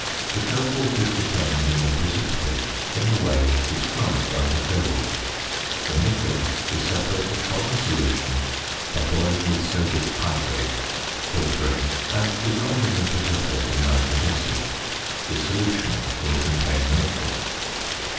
The cobalt is determined in the precipitate in the way described under Cobalt. The nickel is separated from the solution by boiling with sodic hydrate, filtering, and dissolving the precipitate in nitric acid. The solution will contain the nickel.